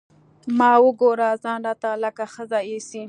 ما وګوره ځان راته لکه ښځه ايسي.